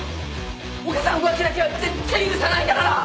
お母さん浮気だけは絶対許さないんだから！